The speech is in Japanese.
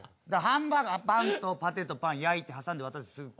ハンバーガーパンとパテとパン焼いて挟んで渡す。